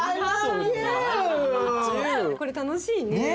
これ楽しいね。